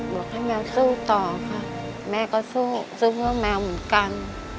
บอกให้แมวสู้ต่อค่ะแม่ก็สู้สู้เพื่อแมวเหมือนกัน